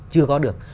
chưa có được